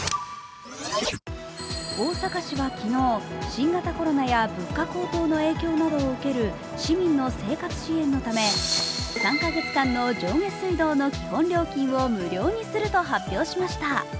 大阪市は昨日、新型コロナや物価高騰の影響などを受ける市民の生活支援のため、３カ月間の上下水道の基本料金を無料にすると発表しました。